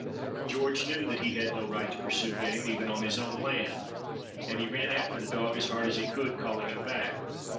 George knew that he had no right to pursue game even on his own land; and he ran after the dog as hard as he could, calling him back.